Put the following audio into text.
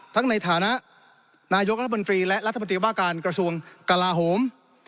ทั้งในฐานะนายกรัฐมนตรีและรัฐมนตรีว่าการกระทรวงกลาโหม